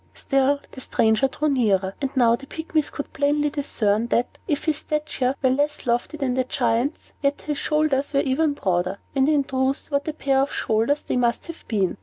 Still the stranger drew nearer; and now the Pygmies could plainly discern that, if his stature were less lofty than the Giant's, yet his shoulders were even broader. And, in truth, what a pair of shoulders they must have been!